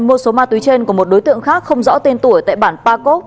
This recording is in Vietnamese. một số ma túy trên của một đối tượng khác không rõ tên tuổi tại bản pagod